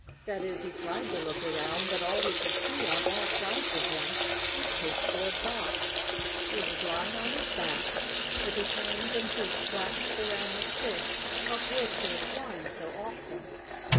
That is he tried to look around; but all he could see, on all sides of him, was pasteboard box. He was lying on his back, with his hands and feet clasped around the stick, up which he had climbed so often.